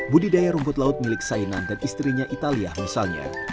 budidaya rumput laut milik sainan dan istrinya italia misalnya